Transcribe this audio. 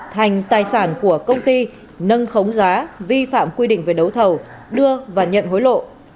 thành tài sản của công ty nâng khống giá vi phạm quy định về đấu thầu đưa và nhận hối lộ